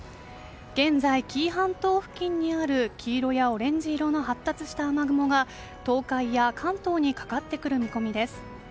現在、紀伊半島付近にある黄色やオレンジ色の発達した雨雲が東海や関東にかかってくる見込みです。